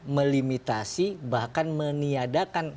melimitasi bahkan meniadakan